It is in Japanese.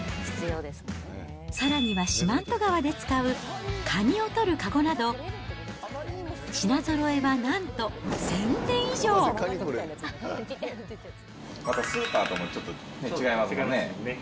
さらには四万十川で使うかにを取る籠など、品ぞろえはなんと１０またスーパーともちょっと違いますね。